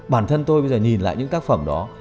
bản thân tôi bây giờ nhìn lại những tác phẩm đó